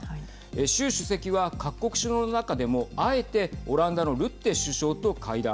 習主席は各国首脳の中でもあえてオランダのルッテ首相と会談。